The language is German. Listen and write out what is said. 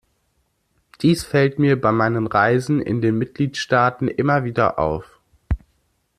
Dies fällt mir bei meinen Reisen in den Mitgliedstaaten immer wieder auf.